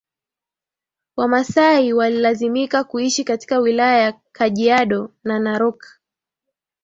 Wamasai walilazimika kuishi katika wilaya ya Kajiado na Narok